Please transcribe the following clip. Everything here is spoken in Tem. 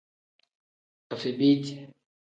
Afebiiti.